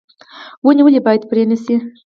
ونې ولې باید پرې نشي؟